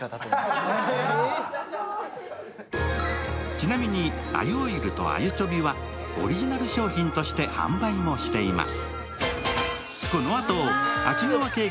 ちなみに鮎オイルと鮎ちょびはオリジナル商品として販売もしています。